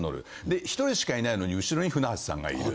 で１人しかいないのに後ろに舟橋さんがいる。